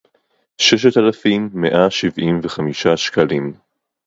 ששת אלפים מאה שבעים וחמישה שקלים